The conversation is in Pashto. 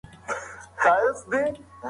هغه له مرګ څخه وېره نهلري.